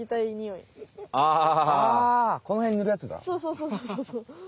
そうそうそうそう。